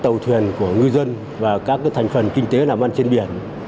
tàu thuyền của ngư dân và các thành phần kinh tế làm ăn trên biển